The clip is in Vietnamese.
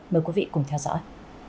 mời quý vị cùng theo dõi